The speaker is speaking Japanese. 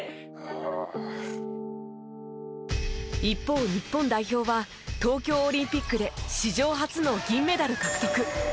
一方日本代表は東京オリンピックで史上初の銀メダル獲得。